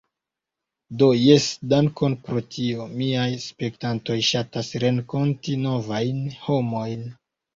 Do, jes dankon pro tio. Miaj spektantoj ŝatas renkonti novajn homojn